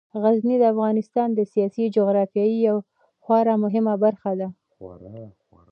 غزني د افغانستان د سیاسي جغرافیې یوه خورا مهمه برخه ده.